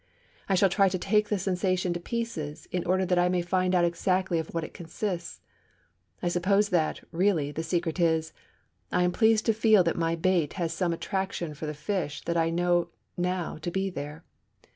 I shall try to take the sensation to pieces, in order that I may find out exactly of what it consists. I suppose that, really, the secret is: I am pleased to feel that my bait has some attraction for the fish that I now know to be there.